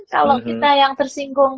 kalau kita yang tersinggung